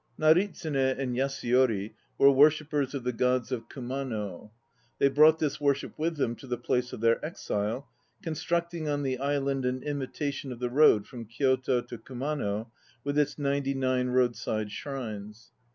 Naritsune and Yasuyori were worshippers of the Gods of Kumano. They brought this worship with them to the place of their exile, constructing on the island an imitation of the road from Kyoto to Kumano with its ninety nine roadside shrines.